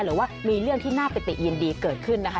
หรือว่ามีเรื่องที่น่าปิติยินดีเกิดขึ้นนะคะ